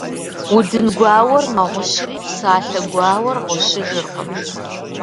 Удын гуауэр мэгъущри, псалъэ гуауэр гъущыжыркъым.